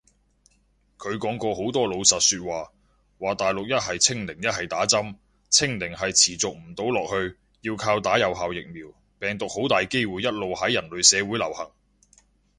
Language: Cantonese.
佢講過好多老實說話，話大陸一係清零一係打針，清零係持續唔到落去，要靠有效疫苗，病毒好大機會一路喺人類社會流行